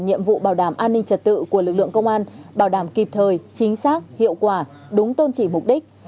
nhiệm vụ bảo đảm an ninh trật tự của lực lượng công an bảo đảm kịp thời chính xác hiệu quả đúng tôn trị mục đích